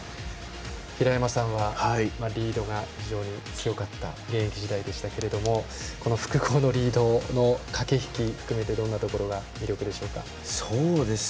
平山さんはリードが非常に強かった現役時代でしたけどもこの複合のリードの駆け引き含めてどんなところが魅力でしょうか。